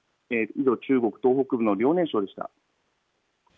以上、中国東北部の遼寧省でした。